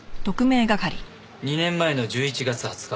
２年前の１１月２０日